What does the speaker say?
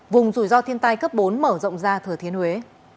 vùng rủi ro thiên tai cấp bốn mở rộng ra thừa thiên huế